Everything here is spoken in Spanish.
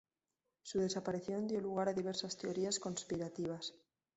Su desaparición dio lugar a diversas teorías conspirativas.